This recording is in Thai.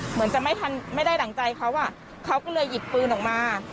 เหมือนจะไม่ได้ดั่งใจเขาอ่ะเขาเขาก็เลยหยิบปืนออกมา